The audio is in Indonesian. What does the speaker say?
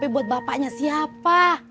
buat bapaknya siapa